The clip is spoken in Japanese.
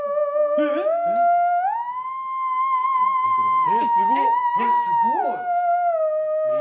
えっ、すごい。